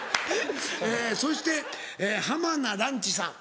そして浜名ランチさん。